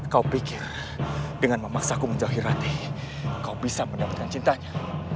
kau pikir dengan memaksaku menjahit hati kau bisa mendapatkan cintanya